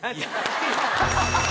ハハハハ！